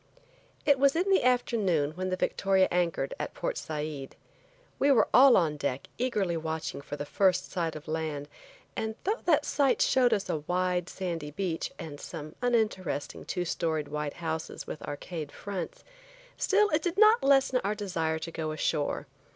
IT was in the afternoon when the Victoria anchored at Port Said. We were all on deck eagerly watching for the first sight of land, and though that sight showed us a wide, sandy beach, and some uninteresting two storied white houses with arcade fronts, still it did not lessen our desire to go ashore.